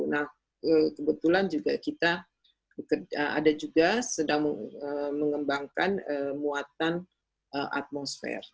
nah kebetulan juga kita ada juga sedang mengembangkan muatan atmosfer